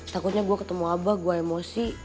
takutnya gue ketemu abah gue emosi